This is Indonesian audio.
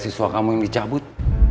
soal beasiswa kamu yang dicabut